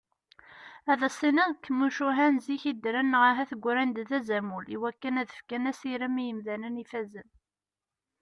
Ad s-tiniḍ deg tmucuha n zik i ddren neɣ ahat ggran-d kan d azamul iwakken ad ffken asirem i yimdanen ifazen.